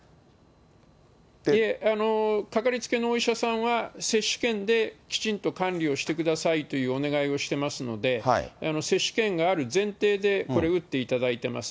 いえ、掛かりつけのお医者さんは接種券できちんと管理をしてくださいというお願いをしておりますので、接種券がある前提で、これ打っていただいています。